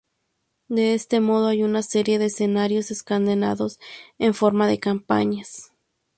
De este modo, hay una serie de escenarios encadenados en forma de campañas.